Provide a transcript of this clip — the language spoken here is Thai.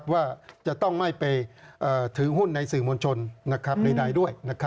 ว่าจะต้องไม่ไปถือหุ้นในสื่อมวลชนใดด้วย